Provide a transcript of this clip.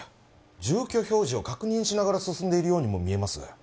住居表示を確認しながら進んでいるようにも見えます。